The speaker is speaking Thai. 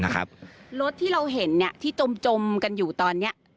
รถที่เราเห็นที่จมกันอยู่ตอนนี้